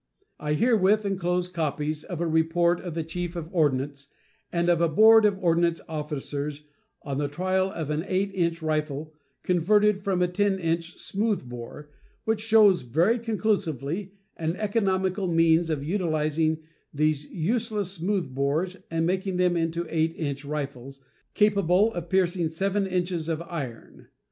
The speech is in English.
I herewith enclose copies of a report of the Chief of Ordnance and of a board of ordnance officers on the trial of an 8 inch rifle converted from a 10 inch smooth bore, which shows very conclusively an economical means of utilizing these useless smooth bores and making them into 8 inch rifles, capable of piercing 7 inches of iron.